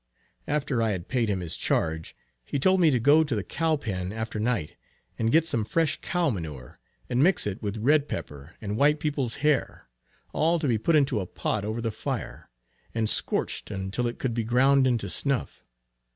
After I had paid him his charge, he told me to go to the cow pen after night, and get some fresh cow manure, and mix it with red pepper and white people's hair, all to be put into a pot over the fire, and scorched until it could be ground into snuff.